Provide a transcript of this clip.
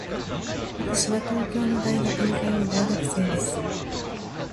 私は東京の大学に通う大学生です。